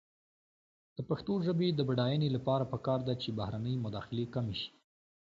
د پښتو ژبې د بډاینې لپاره پکار ده چې بهرنۍ مداخلې کمې شي.